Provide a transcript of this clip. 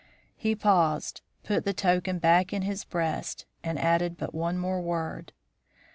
He paused, put the token back in his breast, and added but one more word.